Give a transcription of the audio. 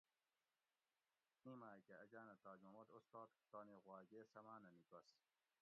ای مائ کہ اجانہ تاج محمد استاد تانی غواگے سمانہ نیکوس